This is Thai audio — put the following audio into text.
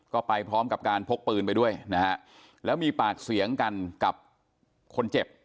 ก็ไปพร้อมกับการพกปืนไปด้วยนะฮะแล้วมีปากเสียงกันกับคนเจ็บ